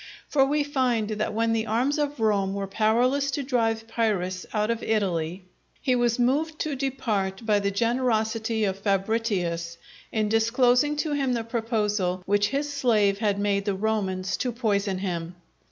For we find that when the arms of Rome were powerless to drive Pyrrhus out of Italy, he was moved to depart by the generosity of Fabritius in disclosing to him the proposal which his slave had made the Romans to poison him.